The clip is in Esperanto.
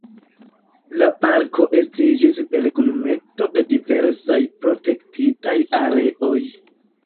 La parko estiĝis per kunmeto de diversaj protektitaj areoj.